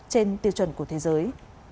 trên tiêu chuẩn của thế giới